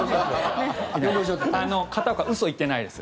あの、片岡嘘言ってないです。